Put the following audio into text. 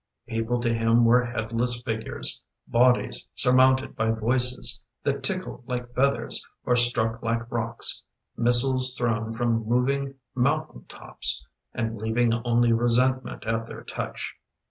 People to him were headless figures — Bodies surmounted by voices That tickled like feathers, or struck like rocks. Missiles thrown from moving mountain tops And leaving only resentment at their touch.